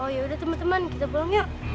oh yaudah temen temen kita pulang yuk